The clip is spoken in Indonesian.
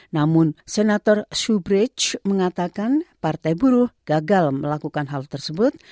namun senator subridge mengatakan partai buruh gagal melakukan hal tersebut